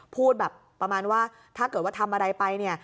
พูดแบบประมาณว่าถ้าเกิดว่าทำอะไรไปเนี่ย